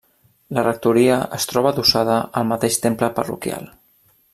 La Rectoria es troba adossada al mateix temple parroquial.